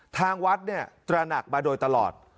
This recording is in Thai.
ทางวัดเนี่ยตระหนักมาโดยตลอด